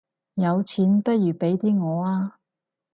有錢不如俾啲我吖